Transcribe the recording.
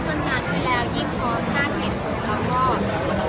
ช่องความหล่อของพี่ต้องการอันนี้นะครับ